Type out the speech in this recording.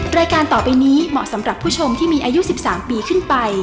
รายการต่อไปนี้เหมาะสำหรับผู้ชมที่มีอายุ๑๓ปีขึ้นไป